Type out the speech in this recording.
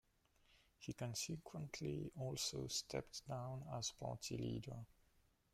He consequently also stepped down as party leader.